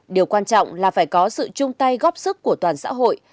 điều quan trọng là phải có sự chung tay góp sức của toàn xã hội